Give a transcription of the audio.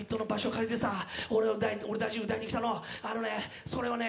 借りてさ、俺たち歌いに来たの、あのね、それをね